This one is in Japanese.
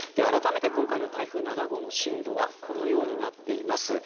あらためて、今回の台風７号の進路はこのようになっています。